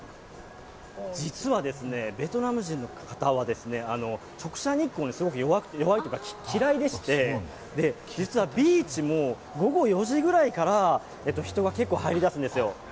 実はですね、ベトナム人の方は直射日光にすごく弱いというか、嫌いでして、ビーチも午後４時ぐらいから人が結構入りだすんですよ。